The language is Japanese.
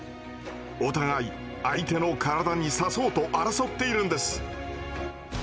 お互い相手の体に刺そうと争っているんです。